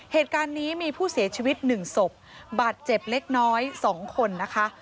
เหตุการณ์นี้มีผู้เสียชีวิต๑ศพบาดเจ็บเล็กน้อย๒คนนะคะ